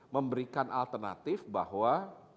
memberikan alternatif bahwa